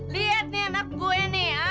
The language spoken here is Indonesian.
lihat nih anak gue nih ya